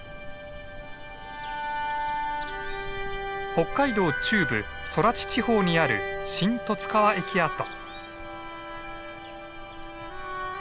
北海道中部空知地方にある新十津川駅跡。